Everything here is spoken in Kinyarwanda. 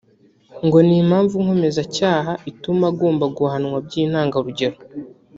ngo ni impamvu nkomezacyaha ituma agomba guhanwa by’intangarugero